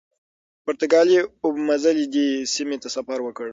پرتګالي اوبمزلي دې سیمې ته سفر وکړ.